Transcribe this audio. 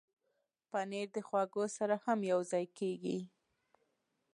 پنېر د خواږو سره هم یوځای کېږي.